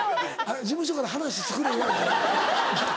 事務所から「話作れ」言われたの？